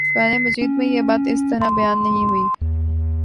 قرآنِ مجید میں یہ بات اس طرح بیان نہیں ہوئی